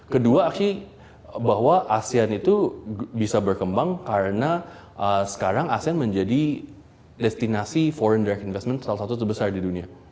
kedua bahwa asean itu bisa berkembang karena sekarang asean menjadi destinasi foreign direct investment salah satu terbesar di dunia